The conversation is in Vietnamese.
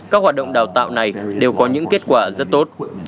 các hoạt động đào tạo này đều có những kết quả rất tốt